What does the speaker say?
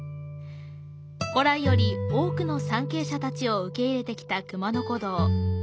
古来より、多くの参詣者たちを受け入れてきた熊野古道。